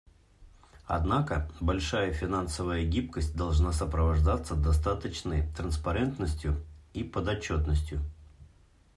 Однако большая финансовая гибкость должна сопровождаться достаточной транспарентностью и подотчетностью.